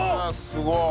すごい。